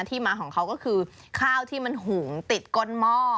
มาของเขาก็คือข้าวที่มันหุงติดก้นหม้อ